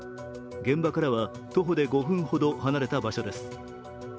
現場からは徒歩で５分ほど離れた場所です。